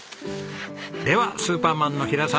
ではスーパーマンの平澤さん